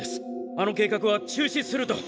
あの計画は中止すると。